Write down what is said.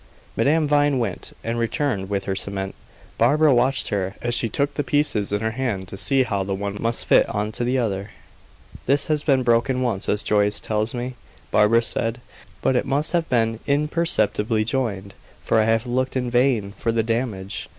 Madame Vine went, and returned with her cement. Barbara watched her, as she took the pieces in her hand, to see how the one must fit on to the other. "This has been broken once, as Joyce tells me," Barbara said. "But it must have been imperceptibly joined, for I have looked in vain for the damage. Mr.